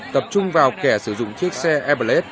tập trung vào kẻ sử dụng chiếc xe eberle